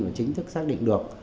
và chính thức xác định được